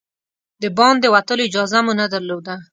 د باندې وتلو اجازه مو نه درلوده.